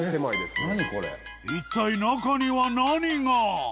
一体中には何が！？